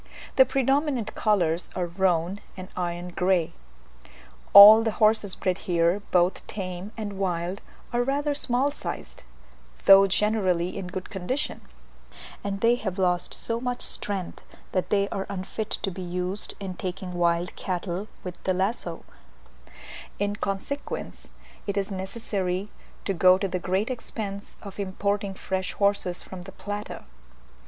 The predominant colours are roan and iron grey. All the horses bred here, both tame and wild, are rather small sized, though generally in good condition; and they have lost so much strength, that they are unfit to be used in taking wild cattle with the lazo: in consequence, it is necessary to go to the great expense of importing fresh horses from the Plata.